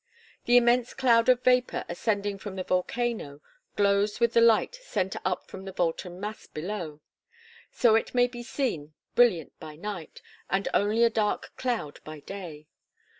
The immense cloud of vapor ascending from the volcano glows with the light sent up from the molten mass below. So it may be seen brilliant by night, and only a dark cloud by day.